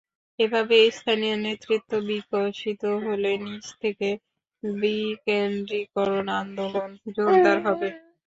এভাবে স্থানীয় নেতৃত্ব বিকশিত হলে নিচ থেকে বিকেন্দ্রীকরণ আন্দোলন জোরদার হবে।